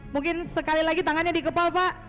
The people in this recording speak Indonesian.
mungkin sekali lagi tangannya di kepala pak